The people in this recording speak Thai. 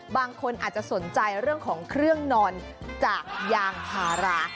บางคนอาจจะสนใจเรื่องของเครื่องนอนจากยางพารา